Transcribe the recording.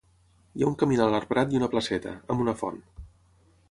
Hi ha un caminal arbrat i una placeta, amb una font.